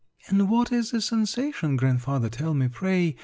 "And what is a Sensation, Grandfather, tell me, pray?